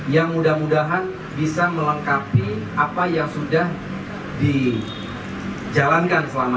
yang mudah mudahan bisa melengkapi apa yang sudah dilakukan